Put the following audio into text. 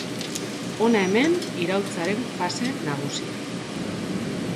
Hona hemen iraultzaren fase nagusiak.